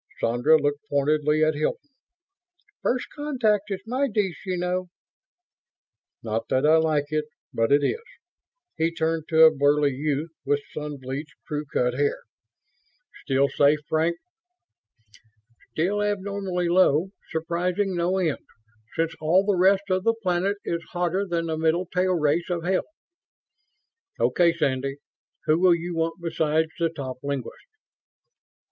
Sandra looked pointedly at Hilton. "First contact is my dish, you know." "Not that I like it, but it is." He turned to a burly youth with sun bleached, crew cut hair, "Still safe, Frank?" "Still abnormally low. Surprising no end, since all the rest of the planet is hotter than the middle tail race of hell." "Okay, Sandy. Who will you want besides the top linguists?"